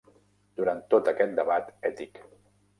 Durant tot aquest debat ètic.